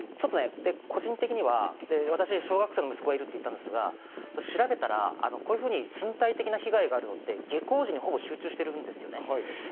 個人的には小学生の息子がいるって言ったんですが、調べたらこういうふうに身体的な被害があるのって下校時にほぼ集中しているんです。